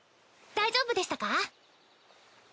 大丈夫でしたか？